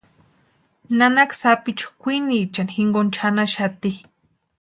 Nanaka sapichu kwiniechani jinkoni chʼanaxati.